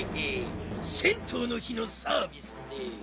銭湯の日のサービスね。